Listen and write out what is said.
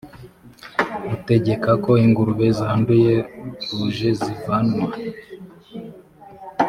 butegeka ko ingurube zanduye ruje zivanwa